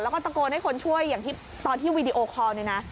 แล้วก็ตะโกนให้คนช่วยอย่างที่ตอนที่วีดีโอคอลเนี่ยนะ